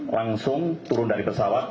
langsung turun dari pesawat